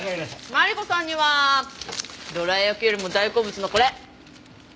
マリコさんにはどら焼きよりも大好物のこれ！